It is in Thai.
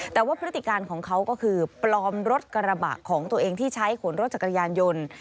แต่ว่าพฤติการของเขาก็คือปลอมรถกระบะของตัวเองที่ใช้ขนรถจักรยานยนต์